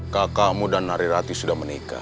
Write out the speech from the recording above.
kakakmu dan narirati sudah menikah